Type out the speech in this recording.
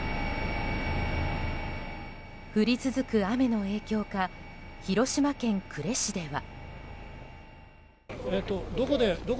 降り続く雨の影響か広島県呉市では。